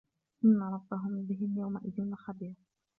إن ربهم بهم يومئذ لخبير